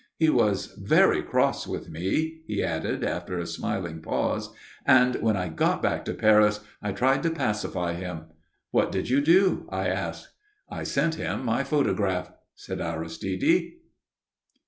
He was very cross with me," he added after a smiling pause, "and when I got back to Paris I tried to pacify him." "What did you do?" I asked. "I sent him my photograph," said Aristide.